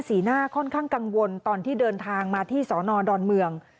หน้าค่อนข้างกังวลตอนที่เดินทางมาที่สอนอดอนเมือง